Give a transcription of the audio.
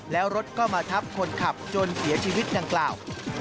แล้วรถก็มาทับคนขับจนเสียชีวิตดังกล่าว